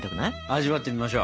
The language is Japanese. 味わってみましょう！